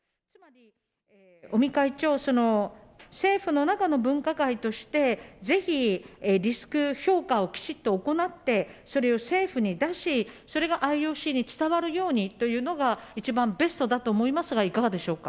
尾身会長、政府の中の分科会として、ぜひリスク評価をきちんと行って、それを政府に出し、それがＩＯＣに伝わるようにというのが、一番ベストだと思いますがいかがでしょうか。